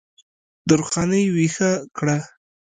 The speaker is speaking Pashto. درخانۍ ویښه کړه